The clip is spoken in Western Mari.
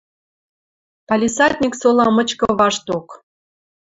Палисадник сола мычкы вашток